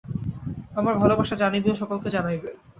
আমার ভালবাসা জানিবে ও সকলকে জানাইবে।